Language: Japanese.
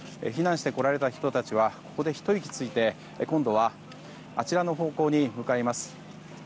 避難してこられた人たちはここでひと息ついて今度はあちらの方向に向かいます。